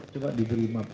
coba diberi map